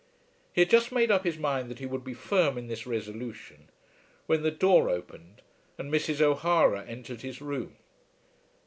He had just made up his mind that he would be firm in this resolution, when the door opened and Mrs. O'Hara entered his room.